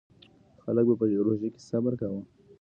خلک به په روژه کې صبر کاوه.